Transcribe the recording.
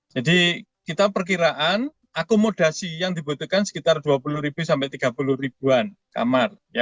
jadi kita perkiraan akomodasi yang dibutuhkan sekitar dua puluh ribu sampai tiga puluh ribuan kamar